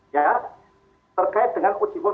ya terkait dengan uji formi